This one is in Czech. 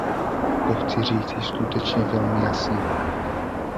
To chci říci skutečně velmi jasně.